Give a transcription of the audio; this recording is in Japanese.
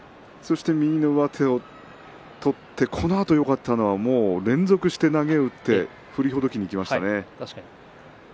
上手を取ってこのあとよかったのは連続して投げを打って振りほどきにいきましたね。